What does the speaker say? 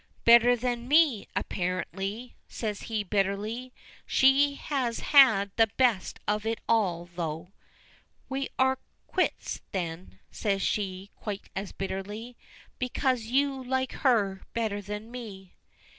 "Better than me, apparently," says he, bitterly. "She has had the best of it all through." "There we are quits, then," says she, quite as bitterly. "Because you like her better than me."